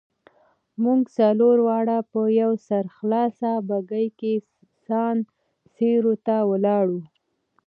موږ څلور واړه په یوه سرخلاصه بګۍ کې سان سیرو ته ولاړو.